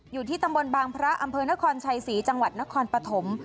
อยู่ที่ตำบลบางพระอำเภอนครชัยศรีจังหวัดนครปฐม